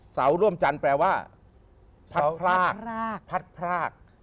เสาร่วมจันทร์แปลว่าพัดพราก